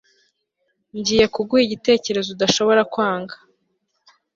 Ngiye kuguha igitekerezo udashobora kwanga